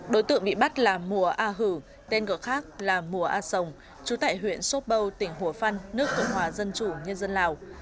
đối tượng bị bắt là mùa a hử tên gọi khác là mùa a sồng chú tại huyện sốt bâu tỉnh hùa phân nước cộng hòa dân chủ nhân dân lào